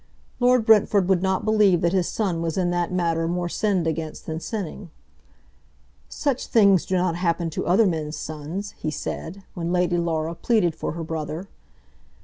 Lord Brentford would not believe that his son was in that matter more sinned against than sinning. "Such things do not happen to other men's sons," he said, when Lady Laura pleaded for her brother.